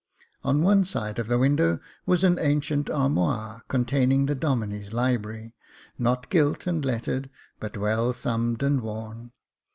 On one side of the window was an ancient armoire, containing the Domine's library, not gilt and lettered, but well thumbed and worn.